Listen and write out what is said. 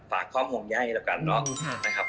ฝากความห่วงใยละกันนะครับ